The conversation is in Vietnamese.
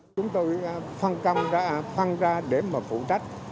chúng tôi phân ra để mà phụ trách